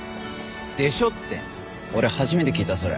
「でしょ」って俺初めて聞いたそれ。